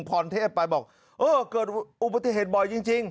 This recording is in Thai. พรแทพไปบอกเกิดอุบัติเฮศบลอยจริง